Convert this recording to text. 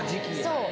そう。